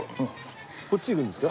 こっち行くんですか？